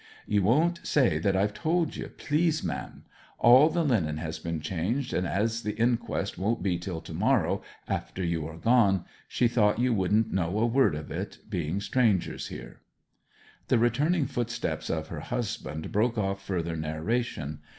Ye won't say that I've told ye, please, m'm? All the linen has been changed, and as the inquest won't be till to morrow, after you are gone, she thought you wouldn't know a word of it, being strangers here.' The returning footsteps of her husband broke off further narration.